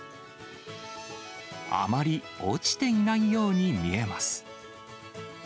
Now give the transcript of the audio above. あまり落ちていないように見えます。